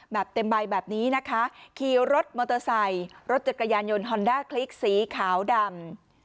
แบบเต็มใบแบบนี้นะคะขี่รถมอเตอร์ไซค์รถจักรยานยนต์ฮอนด้าคลิกสีขาวดำ